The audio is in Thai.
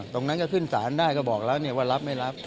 ตรงนั้นก็ขึ้นสารได้ก็บอกแล้วว่ารับไม่รับ